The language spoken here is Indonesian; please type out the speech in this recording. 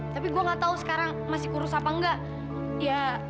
tapi gue gak tau sekarang masih kurus apa enggak